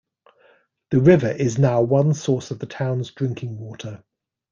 The river is now one source of the town's drinking water.